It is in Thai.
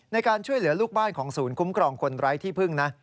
ในการช่วยเหลือลูกบ้านของศูนย์คุ้มครองคนไร้ที่พึ่งนะ